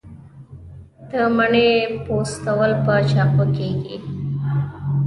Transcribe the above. د مڼې پوستول په چاقو کیږي.